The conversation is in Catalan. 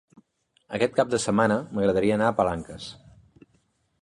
Aquest cap de setmana m'agradaria anar a Palanques.